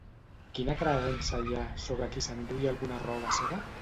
Quina creença hi ha sobre qui s'endugui alguna roba seva?